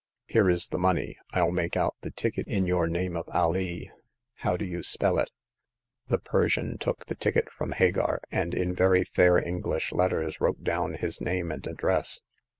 Here is the money ; I'll make out the ticket in your name of Alee. How do you spell it ?'' The Persian took the ticket from Hagar, and in very fair English letters wrote down his name and address.